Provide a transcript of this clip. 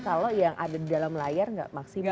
kalau yang ada di dalam layar nggak maksimal